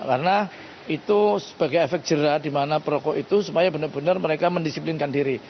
karena itu sebagai efek jerah di mana perokok itu supaya benar benar mereka mendisiplinkan diri